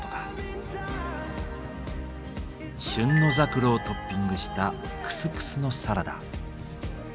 旬のザクロをトッピングしたクスクスのサラダ。